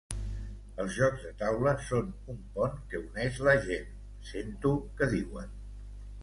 Els jocs de taula són un pont que uneix la gent —sento que diuen—.